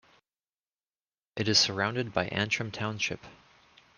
It is surrounded by Antrim Township.